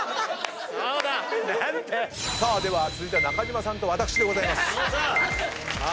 では続いては中島さんと私でございます。